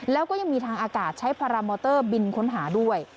แล้วก็ยังมีทางอากาศใช้พารามอเตอร์บินค้นหาด้วย